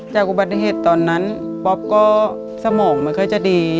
จากอุบัติเหตุตอนนั้นป๊อปก็สมองไม่ค่อยจะดี